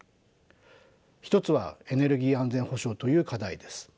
一つはエネルギー安全保障という課題です。